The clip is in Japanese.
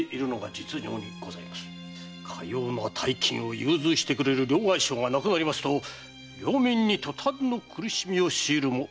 かような大金を融通してくれる両替商が無くなりますと領民に塗炭の苦しみを強いるも同然となりましょう。